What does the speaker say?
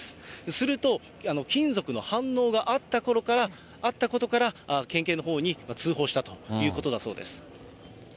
すると、金属の反応があったことから、県警のほうに通報したということだそうです。